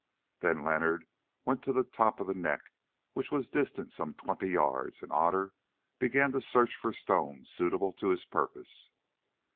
Then Leonard went to the top of the neck, which was distant some twenty yards, and Otter began to search for stones suitable to his purpose.